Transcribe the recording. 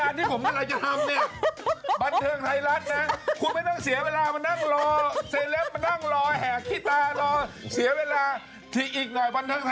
นี่หลักที่หลักโทหากันอะ